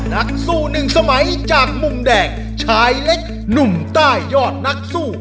นักสู้หนึ่งสมัยจากมุมแดงชายเล็กหนุ่มใต้ยอดนักสู้